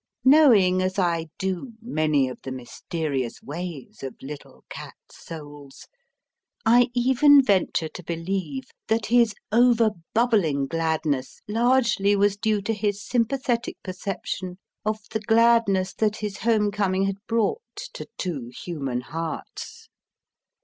Knowing, as I do, many of the mysterious ways of little cat souls, I even venture to believe that his overbubbling gladness largely was due to his sympathetic perception of the gladness that his home coming had brought to two human hearts.